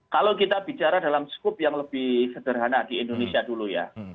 kalau kita bicara dalam skup yang lebih sederhana di indonesia dulu ya